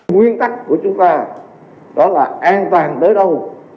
nguyên tắc của chúng ta đó là an toàn tới đâu